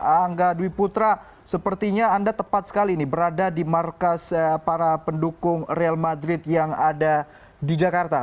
angga dwi putra sepertinya anda tepat sekali nih berada di markas para pendukung real madrid yang ada di jakarta